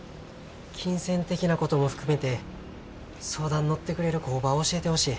金銭的なことも含めて相談乗ってくれる工場教えてほしい。